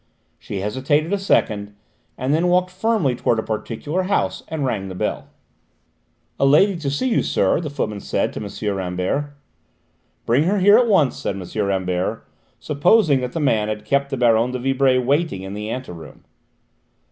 She hesitated a second, and then walked firmly towards a particular house, and rang the bell. "A lady to see you, sir," the footman said to M. Rambert. "Bring her in here at once," said M. Rambert, supposing that the man had kept the Baronne de Vibray waiting in the anteroom.